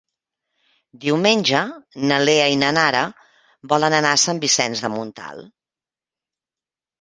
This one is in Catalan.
Diumenge na Lea i na Nara volen anar a Sant Vicenç de Montalt.